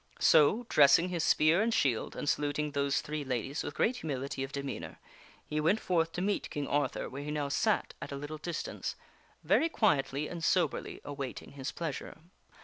So, dressing KING ARTHUR OVERTHROWS SIR GERAINT 103 his spear and shield, and saluting those three ladies with great humility of demeanor, he went forth to meet King Arthur where he now sat at a little distance, very quietly and soberly awaiting his pleasure.